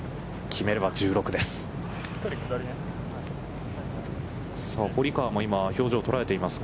決めれば１６です。